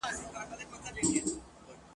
را په زړه مي خپل سبق د مثنوي سي !.